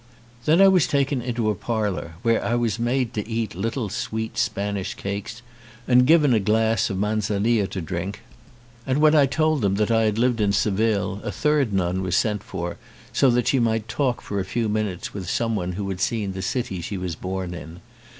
Then I was taken into a parlour where I was made to eat little sweet Spanish cakes and given a glass of Manzanilla to drink, and when I told them 169 ON A CHINESE SCREEN that I had lived in Seville a third nun was sent for, so that she might talk for a few minutes with someone who had seen the city she was born in.